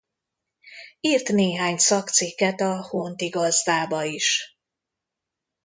Írt néhány szakcikket a Honti Gazdába is.